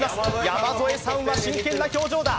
山添さんは真剣な表情だ。